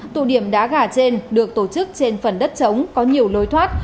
tụ điểm đá gà trên được tổ chức trên phần đất chống có nhiều lối thoát